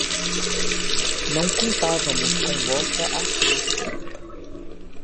Não contávamos com vossa astúcia